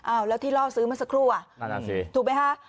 อ้าวแล้วที่เล่าซื้อมันสักครู่อ่ะถูกไหมคะ